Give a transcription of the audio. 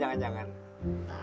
nanti kita berdoa